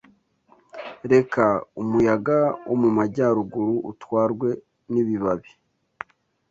Reka umuyaga wo mumajyaruguru utwarwe nibibabi